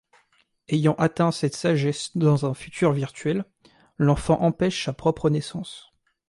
Ayant atteint cette sagesse dans un futur virtuel, l'enfant empêche sa propre naissance.